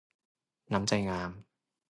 น้ำใจงาม